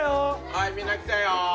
はいみんな来たよ。